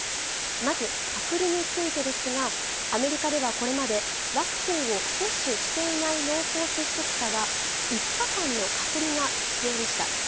まず隔離についてですが、アメリカではこれまで、ワクチンを接種していない濃厚接触者は、５日間の隔離が必要でした。